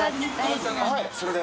はいそれで。